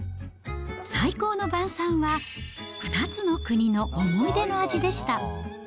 最高の晩さんは２つの国の思い出の味でした。